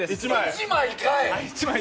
１枚かい！